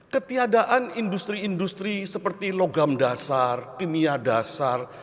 ketiadaan industri industri seperti logam dasar kimia dasar